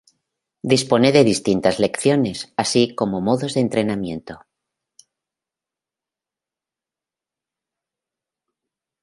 Dispone de distintas lecciones, así como modos de entrenamiento.